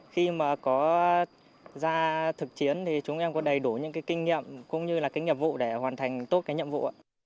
khi mà có ra thực chiến thì chúng em có đầy đủ những kinh nghiệm cũng như là kinh nghiệm vụ để hoàn thành tốt cái nhiệm vụ